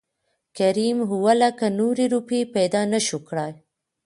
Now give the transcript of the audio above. کريم اووه لکه نورې روپۍ پېدا نه شوى کړى .